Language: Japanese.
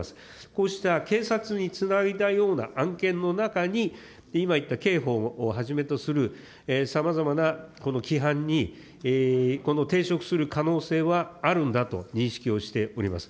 こうした警察につないだような案件の中に、今言った刑法をはじめとするさまざまなこの規範にこの抵触する可能性はあるんだと認識をしております。